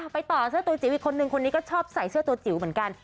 ต่อเสื้อตัวจิ๋วอีกคนนึงคนนี้ก็ชอบใส่เสื้อตัวจิ๋วเหมือนกัน